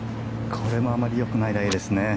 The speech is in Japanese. これもあまりよくないライですね。